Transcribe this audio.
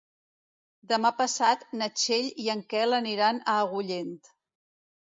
Demà passat na Txell i en Quel aniran a Agullent.